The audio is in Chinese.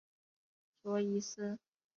卓颖思。